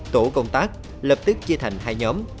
tổ công tác lập tức chia thành hai nhóm